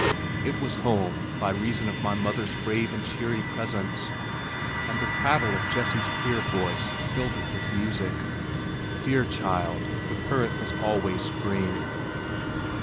It was home by reason of my mother's brave and cheery presence, and the prattle of Jessie's clear voice filled it with music. Dear child, with her it was always spring!